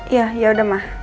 iya yaudah mas